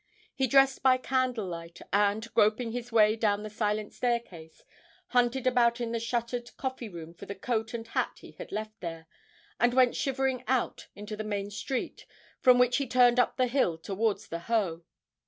He dressed by candlelight, and, groping his way down the silent staircase, hunted about in the shuttered coffee room for the coat and hat he had left there, and went shivering out into the main street, from which he turned up the hill towards the Hoe.